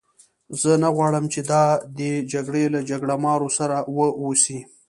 زه نه غواړم چې دا د دې جګړې له جګړه مارو سره وه اوسي.